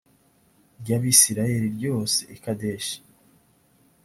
ry abisirayeli ryose i kadeshi